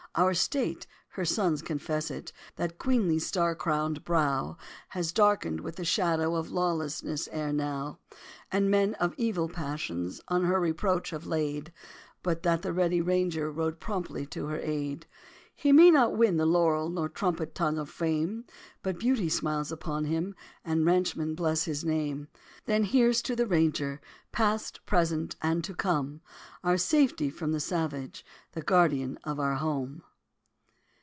Our state, her sons confess it, That queenly, star crowned brow, Has darkened with the shadow Of lawlessness ere now; And men of evil passions On her reproach have laid, But that the ready Ranger Rode promptly to her aid. He may not win the laurel Nor trumpet tongue of fame; But beauty smiles upon him, And ranchmen bless his name. Then here's to the Texas Ranger, Past, present and to come! Our safety from the savage, The guardian of our home.